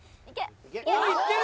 おっいってる！